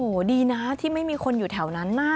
โหดีนะที่ไม่มีคนอยู่แถวนั้นนะ